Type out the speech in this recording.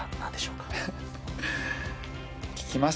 聞きます？